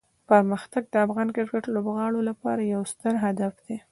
پرمختګ د افغان کرکټ لوبغاړو لپاره یو ستر هدف دی.